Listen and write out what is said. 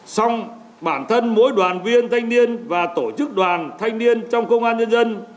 xong bản thân mỗi đoàn viên thanh niên và tổ chức đoàn thanh niên trong công an nhân dân